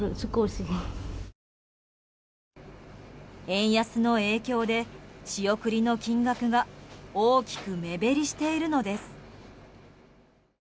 円安の影響で、仕送りの金額が大きく目減りしているのです。